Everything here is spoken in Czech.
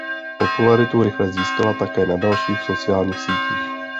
Popularitu rychle získala také na dalších sociálních sítích.